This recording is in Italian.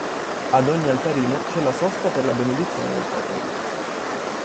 Ad ogni altarino c'è la sosta per la benedizione del popolo.